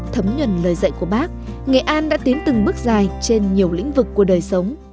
thấm nhuần lời dạy của bác nghệ an đã tiến từng bước dài trên nhiều lĩnh vực của đời sống